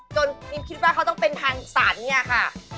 นิมคิดว่าเขาต้องเป็นทางสรรเนี่ยค่ะ